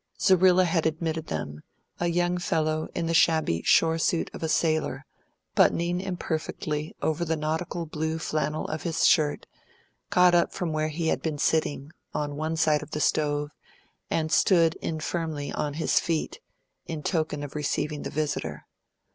Zerrilla had admitted them, and at her greeting a young fellow in the shabby shore suit of a sailor, buttoning imperfectly over the nautical blue flannel of his shirt, got up from where he had been sitting, on one side of the stove, and stood infirmly on his feet, in token of receiving the visitor.